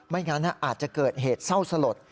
งั้นอาจจะเกิดเหตุเศร้าสลด